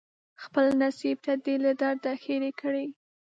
خپل نصیب ته دې له درده ښیرې کړي